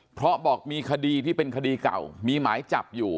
เพราะบอกมีคดีที่เป็นคดีเก่ามีหมายจับอยู่